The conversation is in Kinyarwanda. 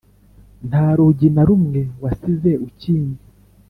ntarugi narumwe wasize ukinze